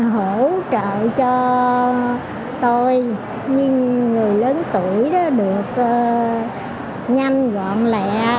hỗ trợ cho tôi như người lớn tuổi đó được nhanh gọn lẹ